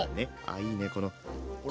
ああいいねこの。